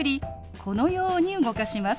このように動かします。